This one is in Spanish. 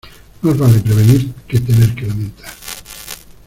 Más vale prevenir que tener que lamentar.